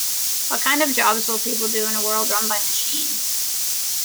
What kind of jobs will people do in a world run by machines?